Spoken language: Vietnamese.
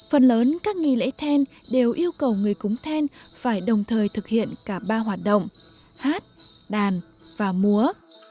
phần lớn các nghi lễ then đều yêu cầu người cúng then phải đồng thời thực hiện cả ba hoạt động hát đàn và múa